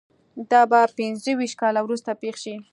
دا به پنځه ویشت کاله وروسته پېښ شي